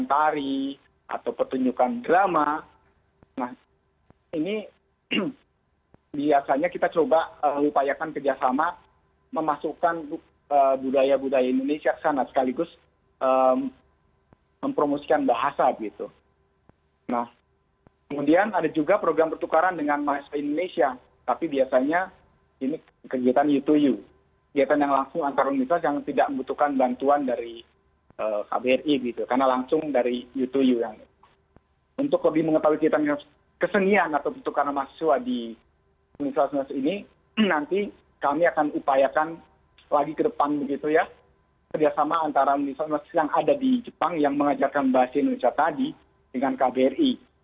kerjasama antara universitas universitas yang ada di jepang yang mengajarkan bahasa indonesia tadi dengan kbri